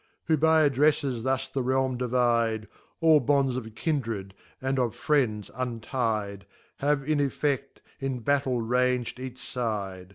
Who by AddrefTes thus the Realm divide, (All bonds of Kindred, and of Friends untide) Have in effe&, in Battle rang'd each fide.